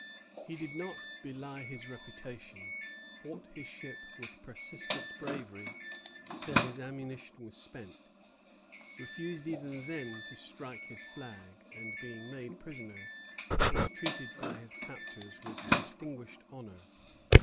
He did not belie his reputation; fought his ship with persistent bravery till his ammunition was spent, refused even then to strike his flag, and being made prisoner, was treated by his captors with distinguished honor.